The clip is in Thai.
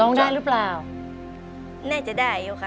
ร้องได้รึเปล่าแน่นจะได้ครับ